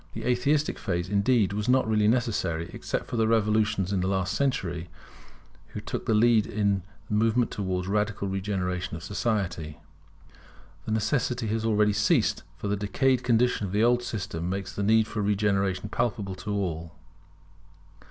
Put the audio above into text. The atheistic phase indeed was not really necessary, except for the revolutionists of the last century who took the lead in the movement towards radical regeneration of society. The necessity has already ceased; for the decayed condition of the old system makes the need of regeneration palpable to all.